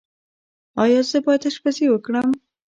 ایا زه باید اشپزي وکړم؟